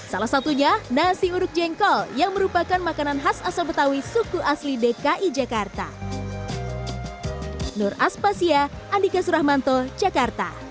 salah satunya nasi uduk jengkol yang merupakan makanan khas asal betawi suku asli dki jakarta